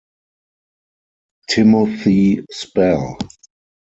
Timothy Spall